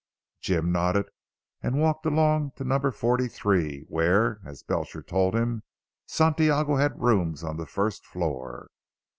"Jim nodded, and walked along to number forty three, where as Belcher told him Santiago had rooms on the first floor.